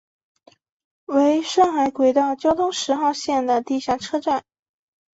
为上海轨道交通十号线的地下车站。